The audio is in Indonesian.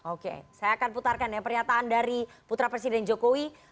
oke saya akan putarkan ya pernyataan dari putra presiden jokowi